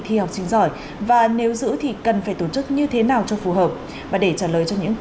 thi học sinh giỏi và nếu giữ thì cần phải tổ chức như thế nào cho phù hợp và để trả lời cho những